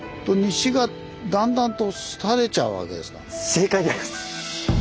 正解です。